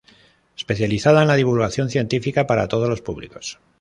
Especializada en la divulgación científica para todos los públicos.